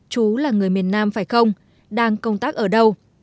chú là người miền nam phải không đang công tác ở đâu